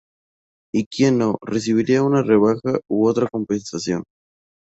Y quien no, recibiría una rebaja u otra compensación.